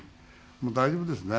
もう大丈夫ですね。